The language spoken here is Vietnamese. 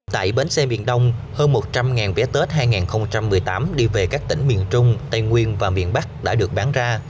tại bến xe miền đông hơn một trăm linh vé tết hai nghìn một mươi tám đi về các tỉnh miền trung tây nguyên và miền bắc đã được bán ra